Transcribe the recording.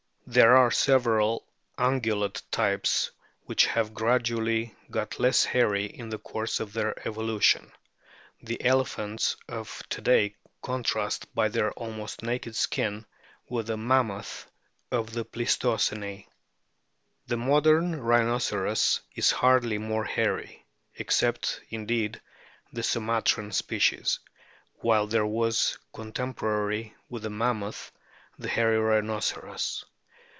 There are several Ungulate types which have gradually got less hairy in the course of their evo lution ; the Elephants of to day contrast, by their almost naked skin, with the Mammoth of the Pleis tocene ; the modern Rhinoceros is hardly more hairy, except, indeed, the Sumatran species ; while there was, contemporary with the Mammoth, the hairy Rhinoceros.